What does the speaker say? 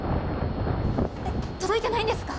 届いてないんですか？